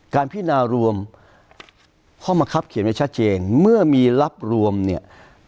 พินารวมข้อมะครับเขียนไว้ชัดเจนเมื่อมีรับรวมเนี่ย